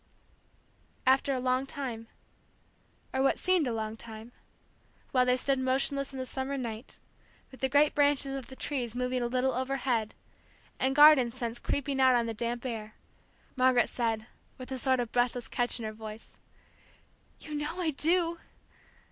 And after a long time, or what seemed a long time, while they stood motionless in the summer night, with the great branches of the trees moving a little overhead, and garden scents creeping out on the damp air, Margaret said, with a sort of breathless catch in her voice: "You know I do!"